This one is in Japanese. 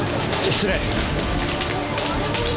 失礼。